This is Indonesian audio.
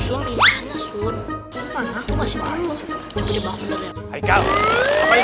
sulitnya sun mana aku masih baru juga bentar ya hai kau apa sih